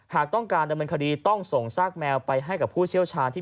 หากต้องการดำเนินคดีต้องส่งซากแมวไปให้กับผู้เชี่ยวชาญที่